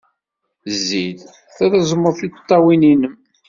Zzi-d, treẓmed tiṭṭawin-nnem.